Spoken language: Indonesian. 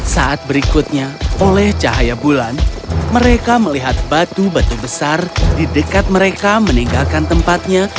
saat berikutnya oleh cahaya bulan mereka melihat batu batu besar di dekat mereka meninggalkan tempatnya